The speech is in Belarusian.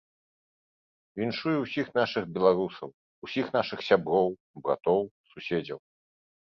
Віншую ўсіх нашых беларусаў, усіх нашых сяброў, братоў, суседзяў.